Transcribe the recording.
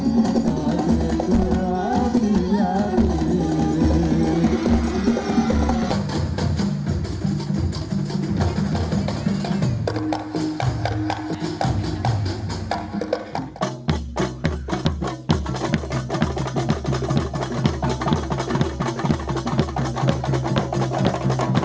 bisa allah mengusul hati